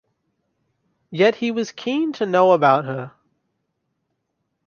Yet he was keen to know about her.